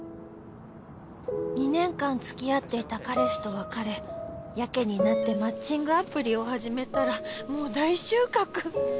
２年間つきあっていた彼氏と別れヤケになってマッチングアプリを始めたらもう大収穫！